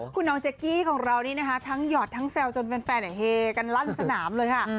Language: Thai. คุณน้องเจ๊กกี้ของเรานี่นะคะทั้งหยอดทั้งแซวจนแฟนเฮกันลั่นสนามเลยค่ะ